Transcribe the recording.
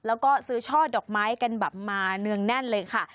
แล้วก็ซื้อช่อดอกไม้กันแบบมาเนืองแน่นเลยค่ะ